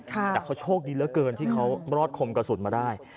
แต่เขาโชคดีเหลือเกินที่เขารอดคมกระสุนมาได้